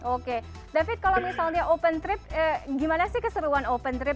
oke david kalau misalnya open trip gimana sih keseruan open trip